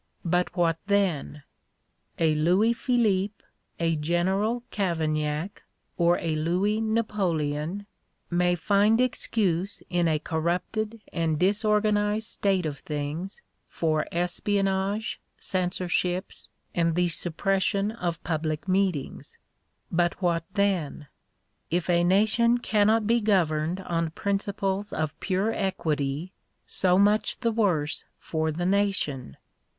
But what then ? A Louis Philippe, a General Cavaignac, or a Louis Napoleon, may find excuse in a corrupted and disorganized state of things for espionnage, censorships, and the suppres sion of public meetings. But what then ? If a nation cannot be governed on principles of pure equity, so much the worse for the nation.